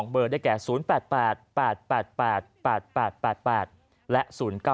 ๒เบอร์ได้แก่๐๘๘๘๘๘๘๘๘๘และ๐๙๙๙๙๙๙